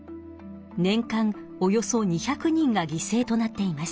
年間およそ２００人がぎせいとなっています。